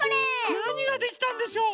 なにができたんでしょう？